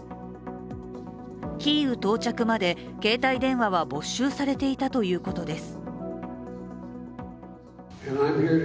キーウ到着まで携帯電話は没収されていたということです。